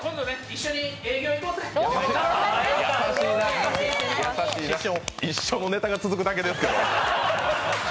一緒のネタが続くだけですから。